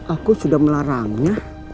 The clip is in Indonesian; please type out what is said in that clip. aku sudah melarangnya